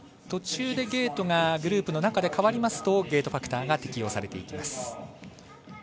途中でゲートがグループの中で変わりますとゲートファクターが適用されていきます。